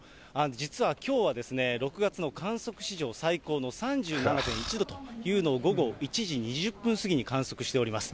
実はきょうは、６月の観測史上最高の３７．１度というのを、午後１時２０分過ぎに観測しております。